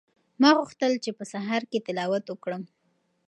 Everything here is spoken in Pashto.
ما غوښتل چې په سهار کې تلاوت وکړم.